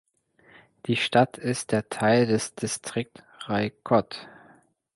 Die Stadt ist der Teil des Distrikt Rajkot.